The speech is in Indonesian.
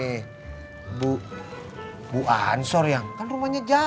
ini putri sobat gue mbak